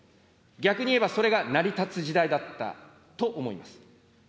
逆に言えばそれが成り立つ時代だったと思います。